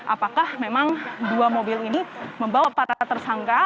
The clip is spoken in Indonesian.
apakah memang dua mobil ini membawa para tersangka